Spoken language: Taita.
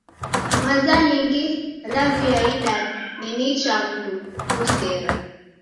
Maza nyingi raw'iaida ni nicha mndu kukusera.